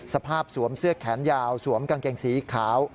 สวมเสื้อแขนยาวสวมกางเกงสีขาว